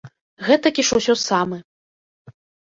Гэтакі ж усё самы.